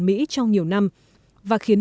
mỹ trong nhiều năm và khiến